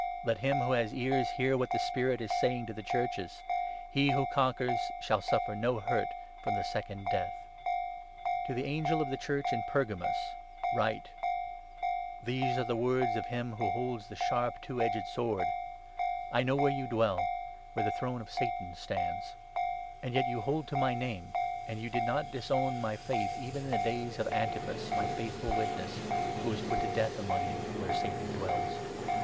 Let II him who has ears hear what the Spirit is saying to the Churches. He who conquers shall suffer no hurt from the Second Death." To the Angel of the Church in Pergamus write :— 12 " These are the words of him who holds the sharp two edged sword :— I know where you dwell, where the Throne of 13 Satan stands. And yet you hold to my Name, and you did not disown my Faith even in the days of Antipas, my faithful witness, who was put to death among you where Satan dwells.